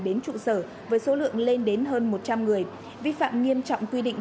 đến trụ sở với số lượng lên đến hơn một trăm linh người vi phạm nghiêm trọng quy định